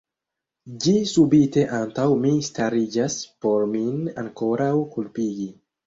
Ĝi subite antaŭ mi stariĝas por min ankoraŭ kulpigi.